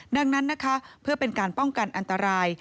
ดังนั้นนะคะเพื่อเป็นการป้องกันอันตราย